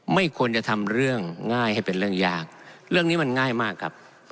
ไม่ควรจะทำเรื่องง่ายให้เป็นเรื่องยากเรื่องนี้มันง่ายมากครับ